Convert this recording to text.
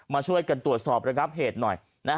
มาช่วยกันตรวจสอบระงับเหตุหน่อย